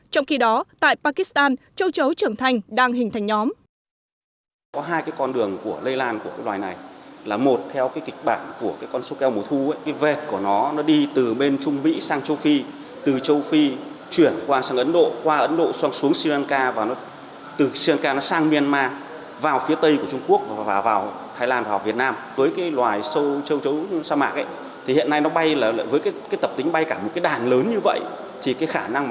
trong khi đó tại pakistan châu chấu trường thành đang hình thành nhóm